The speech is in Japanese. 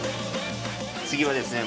次はですね